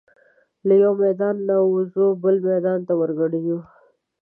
له یوه میدانه وزو بل میدان ته ور ګډیږو